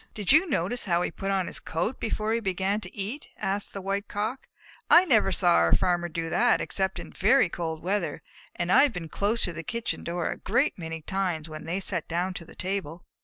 "Did you notice how he put on his coat before he began to eat?" asked the White Cock. "I never saw our Farmer do that except in very cold weather, and I have been close to the kitchen door a great many times when they sat down to the table."